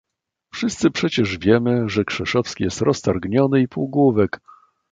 "Wszyscy przecież wiemy, że Krzeszowski jest roztargniony i półgłówek..."